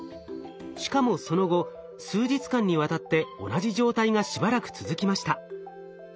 しかもその後数日間にわたって同じ状態がしばらく続きました。